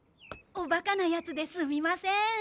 おバカなヤツですみません。